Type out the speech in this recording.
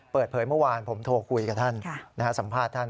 เมื่อวานผมโทรคุยกับท่านสัมภาษณ์ท่าน